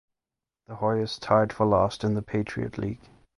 The Hoyas tied for last in the Patriot League.